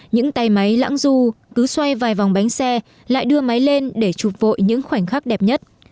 những tay máy lãng du cứ xoay vài vòng bánh xe lại đưa máy lên để chụp vội những khoảnh khắc đẹp nhất